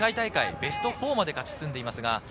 ベスト４まで勝ち進んでいます。